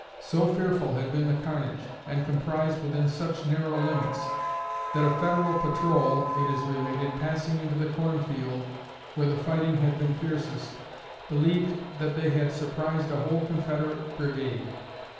So fearful had been the carnage, and comprised within such narrow limits, that a Federal patrol, it is related, passing into the corn field, where the fighting had been fiercest, believed that they had surprised a whole Confederate brigade.